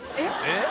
えっ？